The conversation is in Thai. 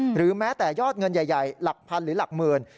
หรือแม้แต่ยอดเงินใหญ่หลักพันหรือหลักหมื่น